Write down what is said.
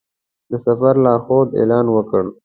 د سفر لارښود اعلان وکړ.